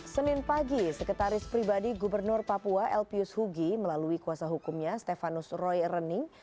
senin pagi sekretaris pribadi gubernur papua l p u s hugi melalui kuasa hukumnya stefanus roy renning